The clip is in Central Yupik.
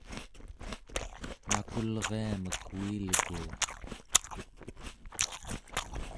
nakulriamek uilguuq